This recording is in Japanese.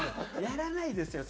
やらないですよ